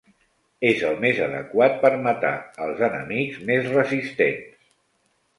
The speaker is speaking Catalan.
És el més adequat per matar els enemics més resistents.